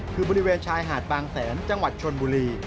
คือบริเวณชายหาดบางแสนจังหวัดชนบุรี